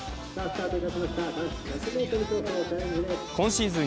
今シーズン